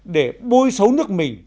để bôi xấu nước mình